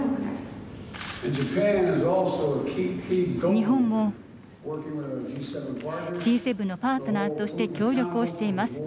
日本もＧ７のパートナーとして協力をしています。